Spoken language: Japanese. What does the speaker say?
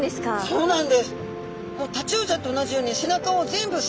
そうなんです。